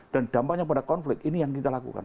dampaknya pada konflik ini yang kita lakukan